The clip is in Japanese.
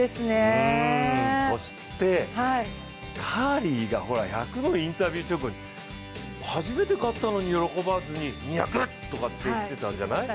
そしてカーリーが１００のインタビュー直後に初めて勝ったのに喜ばずに、２００って言ってたじゃない。